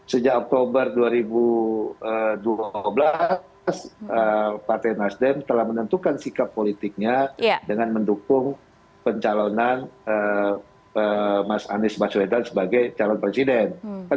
sejak oktober dua ribu dua belas partai nasdem telah menentukan sikap politiknya dengan mendukung pencalonan mas anies baswedan sebagai calon presiden